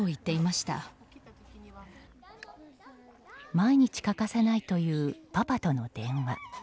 毎日欠かさないというパパとの電話。